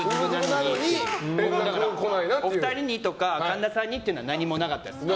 お二人にとか神田さんにとかは何もなかったです。